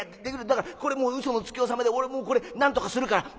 だからこれもう嘘のつき納めで俺もうこれなんとかするから。